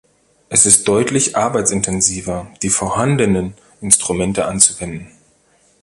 Es ist deutlich arbeitsintensiver, die vorhandenen Instrumente anzuwenden.